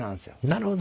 なるほど。